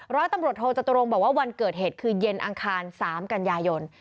ร้อยตำรวจโทจตุรงบอกว่าวันเกิดเหตุคือเย็นอังคาร๓กันยายน